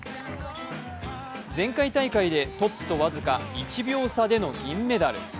前回大会でトップと僅か１秒差での銀メダル。